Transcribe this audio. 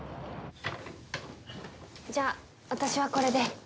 じゃあ私はこれで。